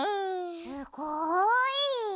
すごい！